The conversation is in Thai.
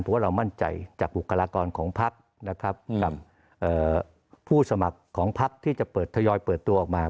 เพราะว่าเรามั่นใจจากบุคลากรของพักนะครับกับผู้สมัครของพักที่จะเปิดทยอยเปิดตัวออกมา